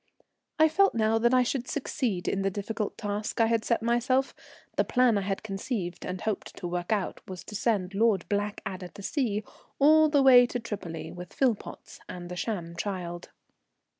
I felt now that I should succeed in the difficult task I had set myself. The plan I had conceived and hoped to work out was to send Lord Blackadder to sea, all the way to Tripoli, with Philpotts and the sham child.